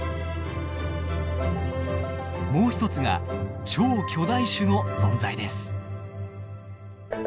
もう一つが超巨大種の存在です。